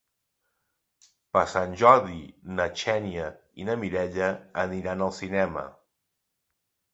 Per Sant Jordi na Xènia i na Mireia aniran al cinema.